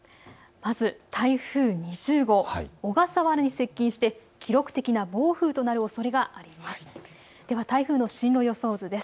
まず台風２０号、小笠原に接近して記録的な暴風となるおそれがあります。